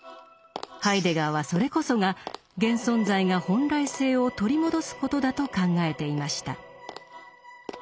ハイデガーはそれこそが現存在が本来性を取り戻すことだと考えていました。